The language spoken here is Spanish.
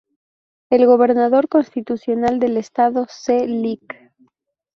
El Gobernador Constitucional del Estado C. Lic.